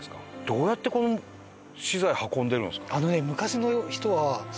どうやってこの資材運んでるんですか？